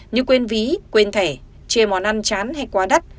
như quên ví quên thẻ chê món ăn chán hay quá đắt